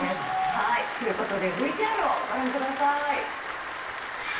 はいということでＶＴＲをご覧下さい。